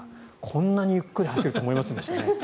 こんなにゆっくり走ると思いませんでしたね。